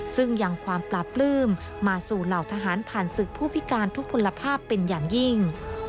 ซึ่งยังความปลาปลื้มมาสู่เหล่าทหารผ่านศึกผู้พิการทุกผลภาพเป็นอย่างยิ่ง